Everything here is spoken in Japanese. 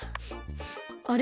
あれ？